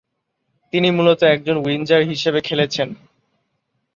তিনি মূলত একজন উইঙ্গার হিসেবে খেলেছেন।